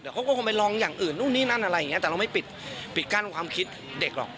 เขาก็คงไปลองอย่างอื่นนู่นนี่นั่นอะไรอย่างเงี้แต่เราไม่ปิดปิดกั้นความคิดเด็กหรอก